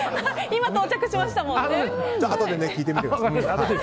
今、到着しましたもんね。